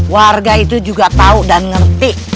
warga itu juga tahu dan ngerti